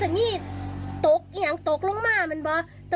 อ๋อหนึ่งคุณชน้ำแปลสิ